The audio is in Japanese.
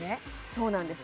そうなんです